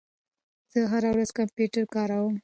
زه هره ورځ کمپیوټر کاروم.